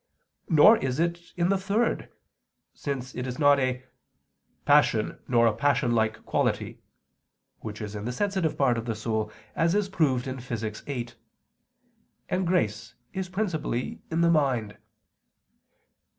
Nor is it in the third, since it is not a "passion nor a passion like quality," which is in the sensitive part of the soul, as is proved in Physic. viii; and grace is principally in the mind.